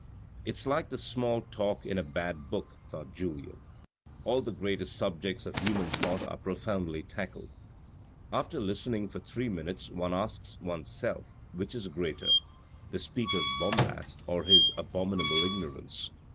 " It's like the small talk in a bad book," thought Julien. " All the greatest subjects of human thought are proudly tackled. After listening for three minutes one asks oneself which is greater — the speaker's bombast, or his abominable ignorance